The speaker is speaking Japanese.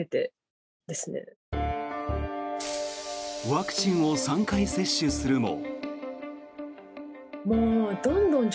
ワクチンを３回接種するも。